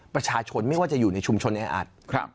ประชาชนไม่ว่าจะอยู่ในชุมชนแออัด